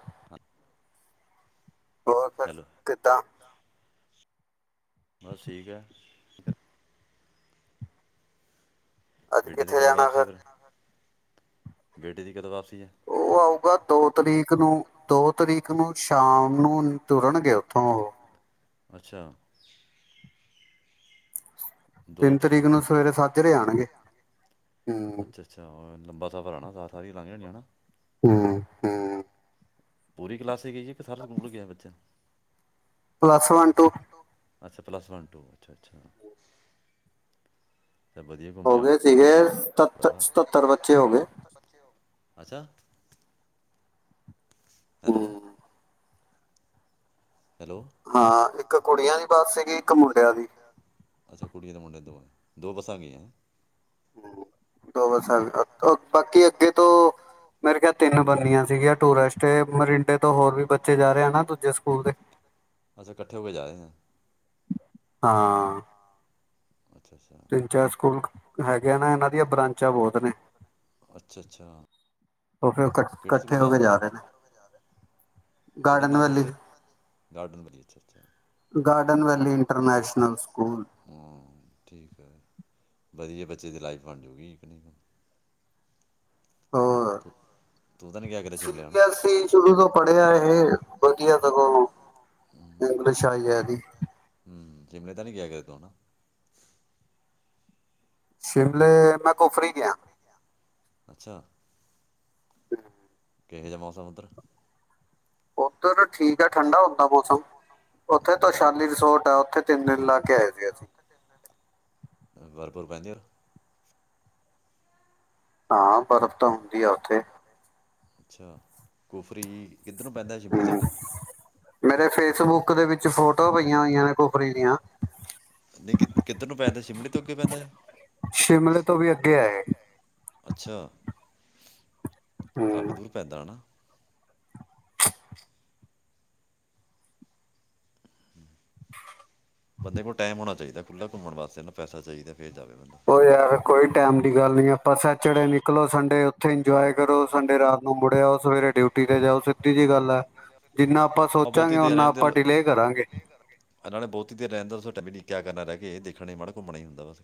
ਹ [inaudible] ਹੋਰ ਫਿਰ ਕਿਦਾਂ ਬਸ ਠੀਕ ਐੱ ਫਿਰ ਅੱਜ ਕਿੱਥੇ ਜਾਣਾ ਫਿਰ ਬੇਟੇ ਦੀ ਕਦੋਂ ਵਾਪਸੀ ਉਹ ਆਊਗਾ ਦੋ ਤਰੀਕ ਨੂੰ ਦੋ ਤਰੀਕ ਨੂੰ ਸ਼ਾਮ ਨੂੰ ਤੁਰਨਗੇ ਉੱਥੋਂ ਉਹ ਅੱਛਾ ਤਿੰਨ ਤਰੀਕ ਨੂੰ ਸਵੇਰੇ ਸੱਤ ਜ ਰੇ ਆਣਗੇ ਹੂ ਲੰਬਾ ਸਫ਼ਰ ਆ ਨਾ ਸਾਥ ਸਾਰੀਆਂ ਲੰਘ ਜਾਣੀਆਂਾ ਹੂ ਹੂ ਪੂਰੀ ਕਲਾਸ ਗਈ ਹੈ ਕਿ ਸਾਰਾ ਸਕੂਲ ਗਿਆ ਬੱਚਾ ਪਲੱਸ ਵਨ ਟੂ ਅੱਛਾ ਪਲੱਸ ਵਨ ਟੂ ਅੱਛਾ ਅੱਛਾ ਹੋ ਗਏ ਸੀਗੇ ਸਤੱਤਰ ਸਤੱਤਰ ਬੱਚੇ ਹੋ ਗਏ ਅੱਛਾ ਹੈਲੋ ਹਾਂ, ਇੱਕ ਕੁੜੀਆਂ ਦੀ ਬੱਸ ਸੀਗੀ ਇੱਕ ਮੁੰਡਿਆਂ ਦੀ। ਅੱਛਾ, ਕੁੜੀਆਂ ਤੇ ਮੁੰਡਿਆਂ ਦੀ ਦੋਵਾਂ ਦੀ, ਦੋ ਬੱਸਾਂ ਗਈਆਂ ਨੇ। ਹੂ, ਦੋ ਬਸ ਬਾਕੀ ਅੱਗੇ ਤੋਂ ਮੇਰੇ ਖਿਆਲ ਤਿੰਨ ਬਣਦੀਆਂ ਸੀਗੀਆਂ, ਟੂਰਿਸਟ। ਮਰਿੰਡੇ ਤੋਂ ਹੋਰ ਵੀ ਬੱਚੇ ਜਾ ਰਹੇ ਆ ਨਾ ਦੂਜੇ ਸਕੂਲ ਦੇ। ਹਾਂ ਅੱਛਾ-ਅੱਛਾ। ਅੱਛਾ-ਅੱਛਾ ਉਹ ਫਿਰ ਇਕੱਠ ਕੱਠੇ ਹੋ ਕੇ ਜਾ ਰਹੇ ਨੇ। Garden Valley, Garden Valley International School. ਵਧੀਆ, ਬੱਚੇ ਦੀ ਲਾਈਫ ਬਣਜੂਗੀ ਕਿ ਨਹੀਂ। ਹੋਰ, ਸੀ ਬੀ ਐੱਸ ਈ ਸ਼ੁਰੂ ਤੋਂ ਪੜ੍ਹਿਆ ਇਹ। ਵਧੀਆ ਸਗੋਂ, ਇੰਗਲਿਸ਼ ਹਾਈ ਐ ਇਹਦੀ। ਸ਼ਿਮਲੇ ਤਾਂ ਨਹੀਂ ਗਿਆ ਕਦੇ ਤੂੰ ਹੈਨਾ? ਸ਼ਿਮਲੇ ਮੈਂ ਕੁਫਰੀ ਗਿਆ ਅੱਛਾ [inaudible] ਕਿਹੇੋ ਜਾ ਮੌਸਮ ਉੱਧਰ? ਉਹ ਠੀਕ ਆ, ਠੰਡਾ ਹੁੰਦਾ ਮੌਸਮ। ਉੱਥੇ ਤੌਸ਼ਾਲੀ ਰਿਸੋਰਟ ਹੈ, ਉੱਥੇ ਤਿੰਨ ਦਿਨ ਲਾ ਕੇ ਆਏ ਸੀ ਅਸੀਂ। [unintelligible] ਹਾਂ ਬਰਫ ਤਾਂ ਹੁੰਦੀ ਆ ਉੱਥੇ। ਅੱਛਾ ਕੁਫਰੀ ਕਿੱਧਰ ਨੂੰ ਪੈਂਦਾ? ਸ਼ਿਮਲੇ ਤੋਂ ਅੱਗੇ ਮੇਰੇ ਫੇਸਬੁੱਕ ਦੇ ਵਿੱਚ ਫੋਟੋਆਂ ਪਈਆਂ ਹੋਈਆਂ ਨੇ ਕੁਫਰੀ ਦੀਆਂ। ਨਹੀਂ, ਕਿਧਰ ਨੂੰ ਪੈਂਦਾ ਸ਼ਿਮਲੇ ਤੋਂ ਅੱਗੇ ਪੈਂਦਾ। ਕਾਫੀ ਦੂਰ ਪੈਂਦਾ ਹੈਨਾ [inaudible] ਬੰਦੇ ਕੋਲ ਟਾਈਮ ਹੋਣਾ ਚਾਹੀਦਾ। ਖੁੱਲ੍ਹਾ ਘੁੰਮਣ ਵਾਸਤੇ ਨਾ ਪੈਸਾ ਚਾਹੀਦਾ। ਉਹ ਯਾਰ ਕੋਈ ਟਾਈਮ ਦੀ ਗੱਲ ਨੀ। ਆਪਾ ਸੈਚਰਡੇ ਨਿਕਲੋ ਸੰਡੇ ਉੱਥੇ ਇੰਜੋਏ ਕਰੋ। ਸੰਡੇ ਰਾਤ ਨੂੰ ਮੁੜਿਆਉ। ਸਵੇਰੇ ਡਿਊਟੀ ਤੇ ਜਾਓ। ਸਿੱਧੀ ਜਿਹੀ ਗੱਲ ਏ, ਜਿੰਨਾ ਆਪਾਂ ਸੋਚਾਂਗੇ ਓਨਾ ਆਪਾਂ ਡਿਲੇ ਕਰਾਂਗੇ। ਕਿਆ ਕਰਨਾ ਰਹਿ ਕੇ ਦੇਖਣਾ ਹੀ, ਮਾੜਾ ਘੁੰਮਣਾ ਹੀ ਹੁੰਦਾ ਬਸ।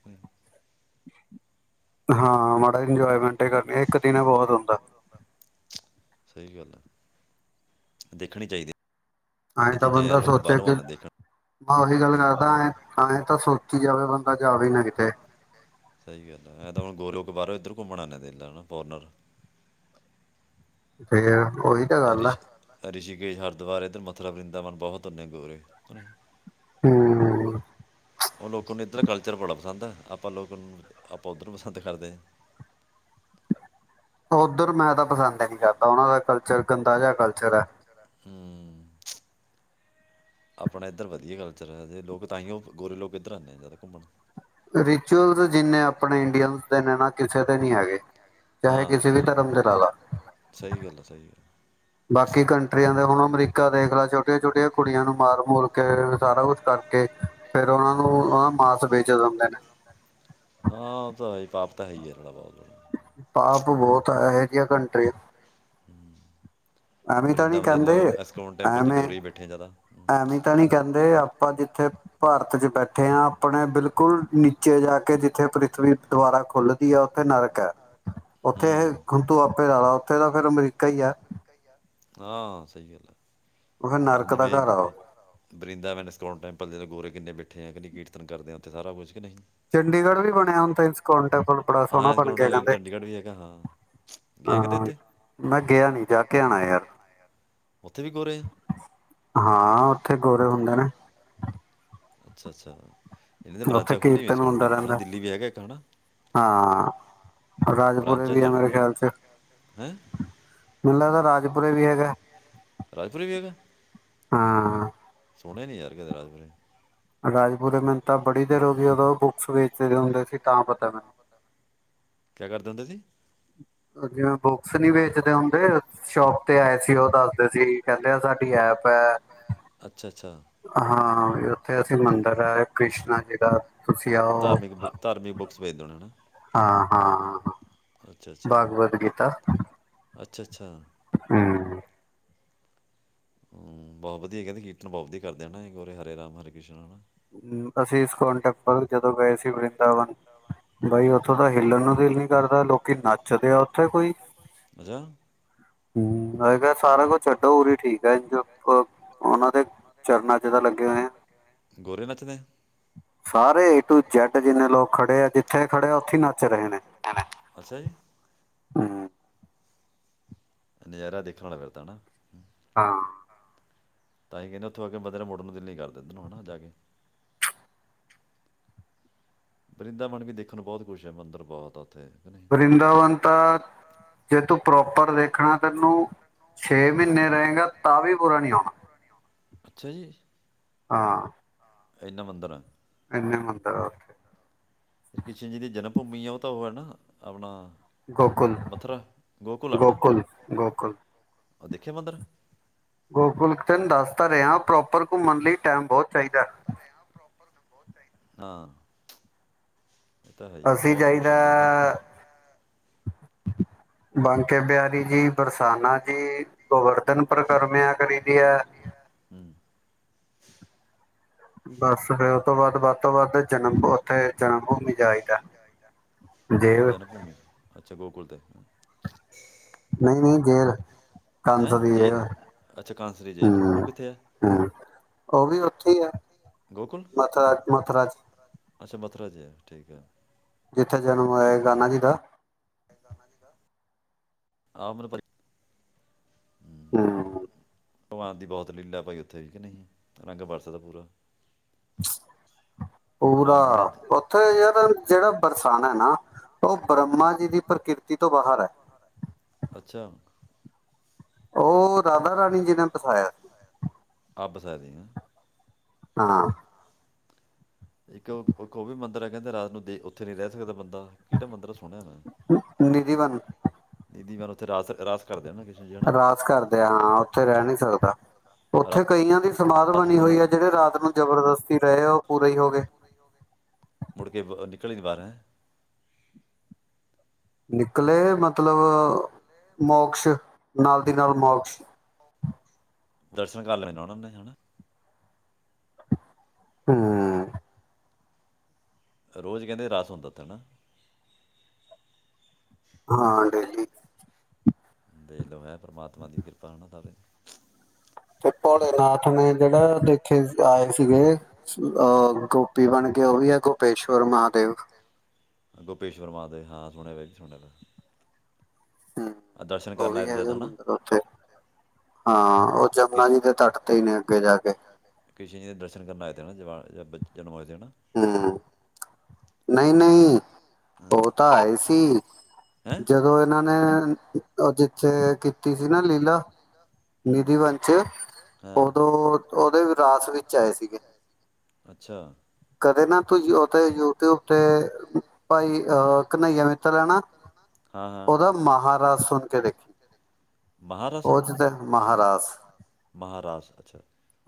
ਹਾਂ ਮਾੜਾ ਇੰਜੋਏਮੈਂਟ ਡੇ ਕਰਨੇ, ਇੱਕ ਦਿਨ ਏ ਬਹੁਤ ਹੁੰਦਾ। ਸਹੀ ਗੱਲ ਆ, ਦੇਖਣੀ ਚਾਹੀਦੀ ਏ। ਐਏਂ ਤਾਂ ਬੰਦਾ ਸੋਚਿਆ ਕਿ ਮੈਂ ਉਹੀ ਗੱਲ ਕਰਦਾ ਐਂ ਐਏਂ ਤਾਂ ਸੋਚੀ ਜਾਵੇ ਬੰਦਾ ਜਾਵੇ ਨਾ ਕਿਤੇ ਸਹੀ ਗੱਲ ਹੈ ਐ ਤਾਂ ਹੁਣ ਗੋ ਕੋਈ ਬਾਹਰੋਂ ਇੱਧਰ ਘੁੰਮਣ ਦੇ ਫੋਰਨਰ ਫੇਰ ਓਹੀ ਤਾਂ ਗੱਲ ਆ ਹਰਿਦੁਆਰ ਏਧਰ ਮਥੁਰਾ ਵ੍ਰਿੰਦਾਵਨ ਬਹੁਤ ਆਉਂਦੇ ਨੇ ਗੋਰੇ ਹਨਾ। ਹਮ ਉਹ ਲੋਕਾਂ ਨੂੰ ਇੱਧਰ ਕਲ੍ਚਰ ਬੜਾ ਪਸੰਦ ਹੈ ਆਪਾਂ ਲੋਕਾਂ ਨੂੰ ਆਪਾਂ ਉੱਧਰ ਪਸੰਦ ਕਰਦੇ ਹਾਂ ਓਧਰ ਮੈਂ ਤਾਂ ਪਸੰਦ ਹੀ ਨਹੀਂ ਕਰਦਾ ਉਹਨਾਂ ਦਾ ਕਲ੍ਚਰ ਗੰਦਾ ਜਾ ਕਲ੍ਚਰ ਹੈ ਹਮ ਆਪਣਾ ਇੱਧਰ ਵਧੀਆ ਕਲਚਰ ਹੈ ਜੇ ਲੋਕ ਤਾਂਹੀਓ ਗੋਰੇ ਲੋਕ ਕਿੱਧਰ ਆਉਂਦੇ ਆ ਜ਼ਿਆਦਾ ਘੁੰਮਣ ਰਿਚੁਅਲ ਜਿੰਨੇ ਆਪਣੇ ਇੰਡੀਅਨ ਦੇ ਨੇ ਨਾ ਕਿਸੇ ਦੇ ਨਹੀਂ ਹੈਗੇ ਹਾਂ ਸਹੀ ਸਹੀ ਗੱਲ ਆ ਸਹੀ ਬਾਕੀ ਕੰਟਰੀਆਂ ਦਾ ਹੁਣ ਅਮਰੀਕਾ ਦੇਖ ਲੈ, ਛੋਟੀਆਂ-ਛੋਟੀਆਂ ਕੁੜੀਆਂ ਨੂੰ ਮਾਰ ਮੁਰਕੇ ਸਾਰਾ ਕੁਛ ਕਰਕੇ, ਫਿਰ ਉਹਨਾਂ ਨੂੰ ਉਹ ਮਾਸ ਵੇਚ ਦਿੰਦੇ ਨੇ। ਤਾਂ ਹੀ ਏਰਲਾ ਬਹੁਤ ਹੋਣਾ। ਆਪ ਬਹੁਤ ਹੈਗੀਆ ਕੰਟਰੀ। ਹੂੰ ਐਵੇਂ ਤਾਂ ਨੀ ਕਹਿੰਦੇ, ਐਵੇਂ-ਐਵੇਂ ਤਾਂ ਨੀ ਕਹਿੰਦੇ, ਆਪਾਂ ਜਿੱਥੇ ਭਾਰਤ ਚ ਬੈਠੇ ਤੇ, ਆਪਣੇ ਬਿਲਕੁਲ ਨੀਚੇ ਜਾ ਕੇ ਕੇ ਜਿੱਥੇ ਪ੍ਰਿਥਵੀ ਦੁਬਾਰਾ ਖੁੱਲਦੀ ਹੈ। ਉੱਥੇ ਨਰਕ ਹੈ। ਹੂੰ, ਉੱਥੇ ਇਹ ਹੁੰਨ ਤੂੰ ਆਪੇ ਲਾਲਾ, ਉੱਥੇ ਤਾਂ ਫਿਰ ਅਮਰੀਕਾ ਹੀ ਐ। ਹਾਂ। ਸਹੀ ਗੱਲ ਐ। ਹਾਂ। ਜਿਵੇਂ ਵਰਿੰਦਾਵਨ ਸਕਰੋਨ ਟੈਂਪਲ ਦੇ ਗੋਰੇ ਕਿੰਨੇ ਬੈਠੇ। ਉਠੇ ਆ ਕੇ ਕੀਰਤਨ ਕਰਦੇ ਆ। ਉੱਥੇ ਸਾਰਾ ਕੁਛ ਕੇ ਨਹੀਂ ਚੰਡੀਗੜ੍ਹ ਵੀ ਬਣਿਆ ਹੁਣ ਸਕਨ ਟੈਂਪਲ ਬੜਾ ਸੋਹਣਾ ਬਣ ਗਿਆ ਕਹਿੰਦੇ। ਹਾਂ, ਮੈਂ ਗਿਆ ਨੀ ਜਾ ਕੇ ਆਉਣਾ ਯਾਰ। ਹਾਂ-ਉੱਥੇ ਗੋਰੇ ਹੁੰਦੇ। ਨਹੀ ਅੱਛਾ ਅੱਛਾ। ਉੱਥੇ ਕੀਰਤਨ ਹੁੰਦਾ ਰਹਿੰਦਾ। ਹਾਂ, ਰਾਜਪੁਰੇ ਵੀ ਆ ਮੇਰੇ ਖਿਆਲ ਚ, ਮੈਨੂੰ ਲੱਗਦਾ ਰਾਜਪ ਉਰੇ ਵੀ ਹੈਗਾ। ਰਾਜਪੁਰੇ ਵੀ ਹੈਗਾ। ਹੂੰ ਸੋਣੇ ਨੀ ਯਾਰ ਕਦੇ ਰਾਜ ਬਾਰੇ। ਰਾਜਪੁਰੇ ਮੈਨੂੰ ਤਾਂ ਬੜੀ ਦੇਰ ਹੋ ਗੀਏ, ਉਦੋਂ ਬੁੱਕਸ ਵੇਚਦੇ ਹੁੰਦੇ ਸੀ। ਤਾਂ ਪਤਾ ਮੈਨੂੰ, ਕਿਆ ਕਰਦੇ ਓ, ਤੁਸੀਂ? ਅ ਜਿਵੇਂ ਬੁੱਕਸ ਨਈ ਵੇਚਦੇ, ਹੁੰਦੇ ਸ਼ੋਪ ਤੇ ਆਏ ਸੀ। ਉਹ ਦੱਸਦੇ ਸੀ ਕਹਿ ਲੈ ਸਾਡੀ ਐਪ ਐ, ਹਾਂ ਉੱਥੇ ਅਸੀਂ ਮੰਦਿਰ ਐ, ਕ੍ਰਿਸ਼ਨਾ ਜੀ ਦਾ, ਤੁਸੀਂ ਆਓ ਹਾਂ-ਹਾਂ, ਹਾਂ। ਭਗਵੱਤ ਗੀਤਾ। ਅੱਛਾ-ਅੱਛਾ ਹੁੰ। ਹਮ ਬਓ ਵਧੀਆ ਕਹਿੰਦੇ ਕੀਰਤਨ ਬਓ ਵਧੀਆ ਕਰਦੇ ਨਾ ਏ ਗੋਰੇ ਹਰੇ ਰਾਮ ਹਰੇ ਕ੍ਰਿਸ਼ਨਾ ਨਾ। ਅਸੀਂ ਇਸਕੌਣ ਟੈਮਪਲ ਜਦੋਂ ਗਏ ਸੀ ਵ੍ਰਿੰਦਾਵਨ ਬਾਈ ਔਥੋਂ ਤਾਂ ਹਿੱਲਨ ਨੂੰ ਦਿਲ ਨਹੀਂ ਕਰਦਾ ਲੋਕੀ ਨੱਚਦੇ ਆ ਔਥੇ ਕੋਈ! ਹੁੰ। ਮੈਂ ਕਯਾ ਸਾਰਾ ਕੁਛ ਛੱਡੋ ਉਰੇ ਠੀਕ ਹੈ। ਔਨਾਂ ਦੇ ਚਰਨਾਂ ਚ ਤਾਂ ਲੱਗੇ ਹੋਏ ਆ। ਸਾਰੇ ਏ ਟੂ ਜੈਡ ਜਿੰਨੇ ਲੋਗ ਖੜੇ ਆ ਜਿੱਥੇ ਖੜੇ ਆ ਓਥੇ ਨੱਚ ਰਹੇ ਨੇ। ਹੁੰ। ਨਜ਼ਾਰਾ ਦੇਖਣ ਆਲਾ ਫਿਰ ਤਾਂ ਨਾ। ਹਾਂ। ਤਾਂਹੀ ਕਹਿੰਣਾ ਉੱਥੋਂ ਆ ਕੇ ਬੰਦੇ ਦਾ ਮੁੜਨ ਨੂੰ ਦਿਲ ਨੀ ਕਰਦਾ, ਇਧਰ ਨੂੰ ਹਨਾ ਜਾਕੇ ਵ੍ਰਿੰਦਾਵਨ ਵੀ ਦੇਖਣ ਨੂੰ ਬਹੁਤ ਕੁੁਸ਼ ਹੈ। ਮੰਦਰ ਬਹੁਤ ਆ। ਵਰਿੰਦਾਵਨ ਤਾਂ ਜੇ ਤੂੰ ਪ੍ਰੋਪਰ ਦੇਖਣਾ ਤੈਨੂੰ ਛੇ ਮਹੀਨੇ ਰਹੇਗਾ ਤਾਂ ਵੀ ਪੁਰਾ ਨਹੀਂ ਔਨਾ। ਅੱਛਾ ਜੀ। ਹਾਂ। ਇਹਨਾਂ ਮੰਦਿਰ ਆ। ਏਨੇ ਮੰਦਰ ਆ ਓਥੇ। ਸ਼੍ਰੀ ਕ੍ਰਿਸ਼ਨ ਜੀ ਦੀ ਜਨਮ ਭੂਮੀ ਆ ਔ ਤਾਂ ਔ ਹੈ ਨਾ ਆਪਣਾ ਗੋਕੁਲ, ਗੋਕੁਲ, ਗੋਕੁਲ, ਗੋਕੁਲ ਤਿਨ ਦਸ ਪਰ ਯਾ ਪ੍ਰੋਪਰ ਘੁੰਮਣ ਲਈ ਟਾਈਮ ਬਹੁਤ ਚਾਹੀਦਾ ਹੈ। ਹਾਂ। ਅਸੀਂ ਜਾਹੀਦਾ। ਬਾਂਕੇ ਬਿਆਰੀ ਜੀ, ਬਰਸਾਨਾ ਜੀ ਔਰ ਦੇਨ ਪਰਕਰਮਿਆ ਕਰੀ ਦੀ ਹੈ। ਬਸ ਫੇਰ ਔ ਤੋਂ ਬਾਅਦ ਬਾਕ ਤੋਂ ਬਾਦ ਜਨਮ ਔਥੇ ਜਨਮ ਭੂਮੀ ਜਾਈਦਾ ਜ ਗੋਕੁਲ ਤੇ ਨਹੀਂ ਨਹੀਂ ਦੇਰ ਕੰਧ ਦੀ ਹੈ ਹੁੰ ਹੁੰ ਔ ਵੀ ਔਥੇ ਹੀ ਆ ਮਥੁਰਾ ਮਥੁਰਾ ਚ। ਜਿੱਥੇ ਜਨਮ ਹੋਇਆ ਈ ਕਾਨਾ ਜੀ ਦਾ। [unintelligible] ਹੁੰ। ਭਗਵਾਨ ਦੀ ਬਹੁਤ ਲੀਲਾ ਭਾਈ ਔਥੇ ਵੀ ਕਿ ਨਹੀਂ, ਰੰਗ ਬਰਸਦਾ ਪੂਰਾ। ਪੂਰਾ ਔਥੇ ਯਾਰ ਜਿਹੜਾ ਬਰਸਾਾਨਾ ਹੈ ਨਾ, ਔ ਬ੍ਰਹਮਾ ਜੀ ਦੀ ਪ੍ਰਕਿਰਤੀ ਤੋਂ ਬਾਹਰ ਹੈ। ਅਛਾ। ਔ ਰਾਧਾ ਰਾਣੀ ਜੀ ਨੇ ਬਸਾਇਆ ਸੀ। [unintelligible] ਹਾਂ। ਇੱਕ ਇੱਕ ਔ ਵੀ ਮੰਦਿਰ ਹੈ, ਕਹਿੰਦੇ ਰਾਤ ਨੂੰ ਦੇ ਔਥੇ ਨੀ ਰਹਿ ਸਕਦਾ ਬੰਦਾ। ਕਿਹੜਾ ਮੰਦਿਰ ਸੁਣਿਆ ਮੈਂ, ਦੀਦੀ ਵਾ ਰਾਸ ਰਾਸ ਰਾਸ ਕਰਦੇ ਆ ਹਾਂ ਉੱਥੇ ਰਹਿ ਨੀ ਸਕਦਾ ਉੱਥੇ ਕਈਆਂ ਦੀ ਸਮਾਧ ਬਣੀ ਹੋਈ ਹੈ ਜਿਹੜੇ ਰਾਤ ਨੂੰ ਜਬਰਦਸਤ ਰਹੇ ਉਹ ਪੂਰੇ ਹੀ ਹੋ ਗਏ ਮੁੜ ਕੇ ਬ ਨਿਕਲੇ ਨੇ ਬਾਹਰ ਨਿਕਲੇ ਮਤਲਬ ਮੋਕਸ਼ ਨਾਲ ਦੀ ਨਾਲ ਮੋਕਸ਼ ਦਰਸ਼ਨ ਕਰ ਲੈਂ ਰਣਾ ਹ ਨੇ ਹੈਾ ਹਮ ਰੋਜ਼ ਕਹਿੰਦੇ ਰਸ ਹੁੰਦਾ ਉੱਥੇ ਨਾ ਹਾਂ ਡੇਲੀ ਦੇਖ ਲੋੋ ਹੈ ਪਰਮਾਤਮਾ ਦੀ ਕਿਰਪਾ ਹੋ ਨਾ ਸਭ ਤੇ ਭੋਲੇਨਾਥ ਨੇ ਜਿਹੜਾ ਦੇਖੇ ਆਏ ਸੀਗੇ ਅਹ ਗੋਪੀ ਬਣ ਕੇ ਉਹ ਵੀ ਹੈ ਗੋਪੇਸ਼ਵਰ ਮਹਾਦੇਵ ਗੋਪੇਸ਼ਵਰ ਮਾ ਦੇ ਹਾਂ ਸੁਣਿਆ ਜੀ ਸੁਣਿਆ ਵ ਹਮ ਉਹ ਵੀ ਹੈਗੇ ਮੰਦਿਰ ਉੱਥੇ ਹਾਂ ਉਹ ਜੰਮਣਾ ਜੀ ਤੇ ਤੱਟ ਤੇ ਹੀ ਨੇ ਅੱਗੇ ਜਾ ਕੇ ਕਰਨਾ ਆਏ ਜ ਜਨਮ ਹੋ ਹਮ ਨਹੀਂ ਨਹੀਂ ਉਹ ਤਾਂ ਹੈਏ ਸੀ ਜਦੋਂ ਇਹਨਾਂ ਨੇ ਜ ਚ ਕੀਤੀ ਸੀ ਨਾ ਲੀਲਾ ਨਿਧੀਵੰਸ਼ ਔਦੋਂ ਔਦੇ ਵਿਰਾਸ ਵਿੱਚ ਆਏ ਸੀਗੇ ਅੱਛਾ ਕਦੇ ਨਾ ਤੂੰ ਉਥੇ ਯੂਟਿਊਬ ਤੇ ਭਾਈ ਅਹ ਘਨਈਆ ਮਿੱਤਰ ਹੈਣਾ ਉਹਦਾ ਮਹਾਰਾਸ ਸੁਣ ਕੇ ਦੇਖੀ ਉਹ ਚ ਤੇ ਮਹਾਰਾਸ਼ ਮਹਾਰਾਸ ਅੱਛਾ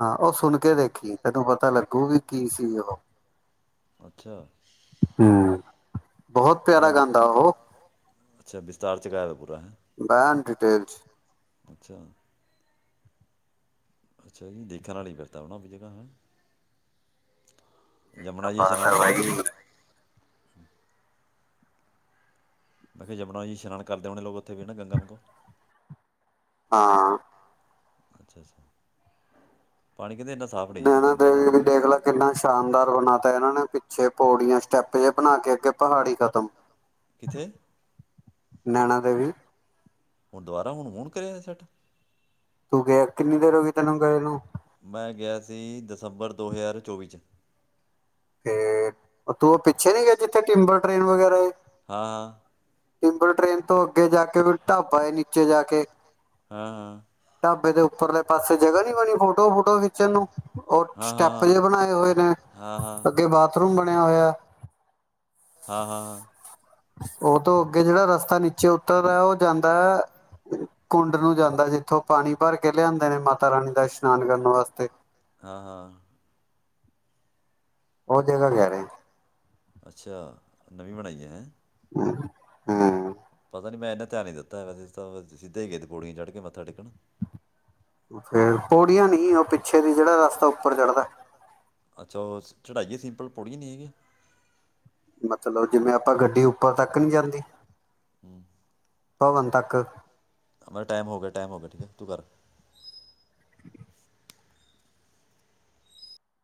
ਹਾਂ ਉਹ ਸੁਣ ਕੇ ਦੇਖੀ ਤੈਨੂੰ ਪਤਾ ਲੱਗੂ ਵੀ ਕੀ ਸੀ ਉਹ ਅੱਛਾ ਬਹੁਤ ਪਿਆਰਾ ਗਾਉਂਦਾ ਉਹ ਅੱਛਾ ਵਿਸਤਾਰ ਚ ਗਾਇਆ ਦਾ ਪੁਰ ਬੈਂਕ ਡਿਟੇਲਸ ਅੱਛਾ ਜੀ ਦੇਖਣ ਵਾਲੀ ਬਿਰਤਾ ਉਹ ਨਾ ਵੀ ਜਗ੍ਹਾ ਹੈ ਯਮੁਨਾ ਜੀ ਇਸ਼ਨਾਨ ਕਰੇ ਉਹਦੇ ਮੈਂ ਕਿਹਾ ਜੰਮਨਾ ਜੀ ਇਸ਼ਨਾਨ ਕਰਦੇ ਹੋਣੇ ਲੋਕ ਉੱਥੇ ਵੀ ਨਾ ਗੰਗਾ ਵਗੋਂ ਹਾਂ ਅੱਛਾ ਅੱਛਾ ਨੈਣਾ ਦੇਵੀ ਵੀ ਦੇਖ ਲ ਕਿੰਨਾ ਸ਼ਾਨਦਾਰ ਬਣਾ ਤਾ ਇਹਨਾਂ ਨੇ ਛੇ ਪੌੜੀਆਂ ਸਟੈਪ ਜ ਬਣਾ ਕੇ ਅੱਗੇ ਪਹਾੜੀ ਖ਼ਤਮ ਕਿਥੇ ਨੈਣਾ ਦੇਵੀ ਹੁਣ ਦੁਬਾਰਾ ਹੁਣ ਹੁਣ ਕਰਿਆ ਸੈਟ ਤੂੰ ਗਿਆ ਕਿੰਨੀ ਦੇਰ ਹੋ ਗਈ ਤੈਨੂੰ ਗਰੇ ਨੂੰ ਮੈਂ ਗਿਆ ਸੀ ਦਸੰਬਰ ਦੋ ਹਜ਼ਾਰ ਚੌਵੀ 'ਚ ਤੇ ਤੂੰ ਉਹ ਪਿੱਛੇ ਨਹੀਂ ਗਏ ਜਿੱਥੇ ਟਿੰਬਲ ਟ੍ਰਰੇਨ ਵਗੈਰਾ ਏ ਟਿੱਬਲ ਟ੍ਰੇਨ ਤੋਂ ਅੱਗੇ ਜਾ ਕੇ ਵੀ ਢਾਬਾ ਹੈ ਨੀਚੇ ਜਾ ਕੇ ਹਾਂ ਹਾਂ ਢਾਬੇ ਦੇ ਉੱਪਰਲੇ ਪਾਸੇ ਜਗਾ ਨੀ ਬਣੀ ਫੋਟੋ ਫੋਟੋ ਖਿੱਚਣ ਨੂੰ ਉਹ ਸਟੈਪ ਜਿਹੇ ਬਣਾਏ ਹੋਏ ਨੇ ਅੱਗੇ ਬਾਅਦ ਬਾਥਰੂਮ ਬਣਿਆ ਹੋਇਆ ਉਹ ਤੋਂ ਅੱਗੇ ਜਿਹੜਾ ਰਸਤਾ ਨੀਚੇ ਉੱਤਰਦਾ ਉਹ ਜਾਂਦਾ ਹੈ ਕੁੰਡ ਨੂੰ ਜਾਂਦਾ ਜਿੱਥੋਂ ਪਾਣੀ ਭਰ ਕੇ ਲਿਆਂਦੇ ਨੇ ਮਾਤਾ ਰਾਣੀ ਦਾ ਇਸ਼ਨਾਨ ਕਰਨ ਵਾਸਤੇ ਹਾਂ ਹਾਂ ਉਹ ਜਗ੍ਹਾ ਰਹਿ ਰਹੇ ਅੱਛਾ ਨਵੀਂ ਬਣਾਈ ਹੈ ਹੈਂ ਹੂ ਹੂ ਪਤਾ ਨੀ ਮੈਂ ਏਨਾ ਧਿਆਨ ਨੀ ਦਿੱਤਾ ਵ ਤਾਂ ਸਿੱਧੇ ਹੀ ਗਏ ਤੇ ਪੌੜੀਆਂ ਚੜ ਕੇ ਮੱਥਾ ਟੇਕਣ ਫੇਰ ਪੌੜੀਆਂ ਨਹੀਂ ਉਹ ਪਿੱਛੇ ਦੀ ਜਿਹੜਾ ਉੱਪਰ ਚੜ੍ਹਦਾ ਅੱਛਾ ਉਹ ਚੜਾਈਏ ਸਿੰਪਲ ਪੌੜੀਆਂ ਨਹੀਂ ਹੈਗੀਯਾ ਚਲੋ ਜਿਵੇਂ ਆਪਾਂ ਗੱਡੀ ਉੱਪਰ ਤੱਕ ਨਹੀਂੀ ਜਾਂਦੀ ਹਮ ਭਵਨ ਤੱਕ ਮ ਟਾਈਮ ਹੋ ਗਿਆ ਟਾਈਮ ਹੋ ਗਿਆ ਠੀਕ ਹੈ ਤੂੰ ਕਰ